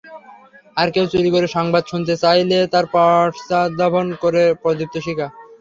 আর কেউ চুরি করে সংবাদ শুনতে চাইলে তার পশ্চাদ্ধাবন করে প্রদীপ্ত শিখা।